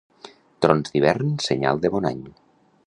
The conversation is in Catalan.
Trons d'hivern, senyal de bon any.